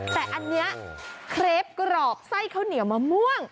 แต่อันนี้เครปกรอบไส้ข้าวเหนียวมะม่วง